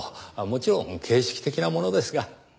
もちろん形式的なものですが。